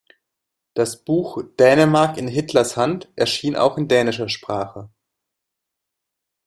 Das Buch "Dänemark in Hitlers Hand" erschien auch in dänischer Sprache.